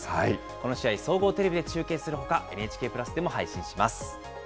この試合、総合テレビで中継するほか、ＮＨＫプラスでも配信します。